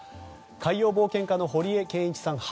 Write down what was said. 海洋冒険家の堀江謙一さん